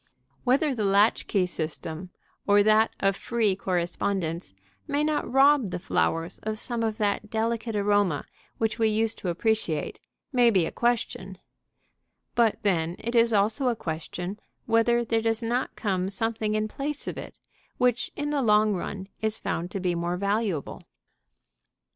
Whether the latch key system, or that of free correspondence, may not rob the flowers of some of that delicate aroma which we used to appreciate, may be a question; but then it is also a question whether there does not come something in place of it which in the long run is found to be more valuable.